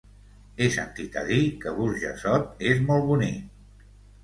He sentit a dir que Burjassot és molt bonic.